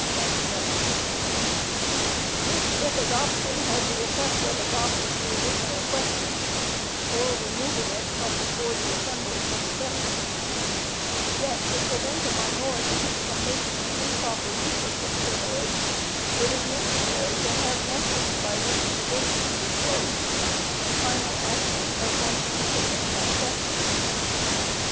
] which, if adopted, has the effect of adopting the original question or removing it from before the assembly for the session,—yet, to prevent a minority from making an improper use of this privilege, it is necessary to have methods by which debate can be closed, and final action at once be taken upon a question.